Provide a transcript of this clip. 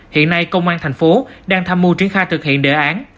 hiện nay công an tp hcm đang tham mưu triển khai thực hiện đề án